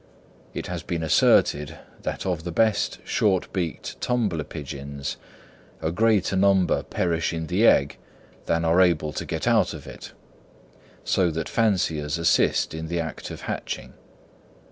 It has been asserted, that of the best short beaked tumbler pigeons a greater number perish in the egg than are able to get out of it; so that fanciers assist in the act of hatching.